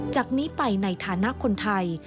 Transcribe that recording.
จากนี้ไปในฐานะคนไทย